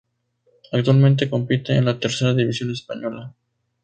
Actualmente compite en la Tercera división española.